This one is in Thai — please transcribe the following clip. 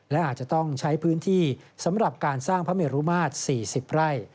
และอาจจะต้องใช้พื้นที่สำหรับการสร้างพระเมรุมาตร๔๐ไร่